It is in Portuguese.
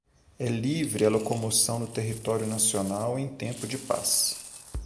é livre a locomoção no território nacional em tempo de paz